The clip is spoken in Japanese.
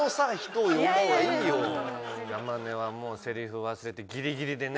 山根はもうセリフ忘れてギリギリでね。